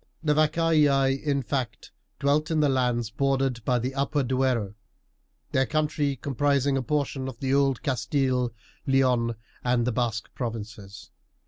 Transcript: The Vacaei, in fact, dwelt in the lands bordered by the upper Duero, their country comprising a portion of old Castille, Leon, and the Basque provinces.